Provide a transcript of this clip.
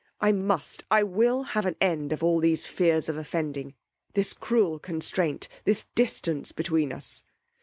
I must, I will have an end of all these fears of offending; this cruel constaint; this distance between us.